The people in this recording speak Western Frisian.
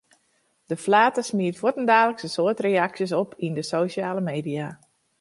De flater smiet fuortendaliks in soad reaksjes op yn de sosjale media.